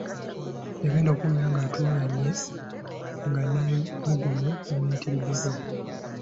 Yagenda okuwulira nga atuuyanye nga n’ebbugumu limuyitiriddeko.